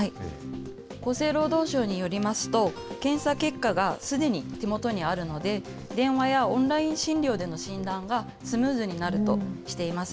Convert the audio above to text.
厚生労働省によりますと、検査結果がすでに手元にあるので、電話やオンライン診療での診断がスムーズになるとしています。